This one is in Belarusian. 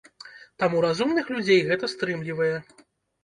Таму разумных людзей гэта стрымлівае.